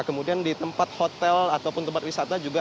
kemudian di tempat hotel ataupun tempat wisata juga